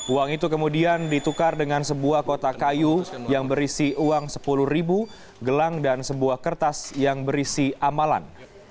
uang itu kemudian ditukar dengan sebuah kotak kayu yang berisi uang sepuluh ribu gelang dan sebuah kertas yang berisi amalan